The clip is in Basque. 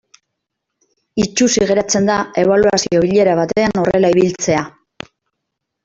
Itsusi geratzen da ebaluazio bilera batean horrela ibiltzea.